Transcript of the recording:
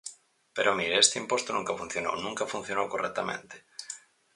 Pero, mire, este imposto nunca funcionou, nunca funcionou correctamente.